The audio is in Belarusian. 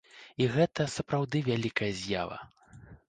І гэта сапраўды вялікая з'ява.